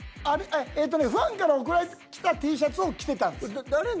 ファンから贈られてきたＴシャツを着てたんです。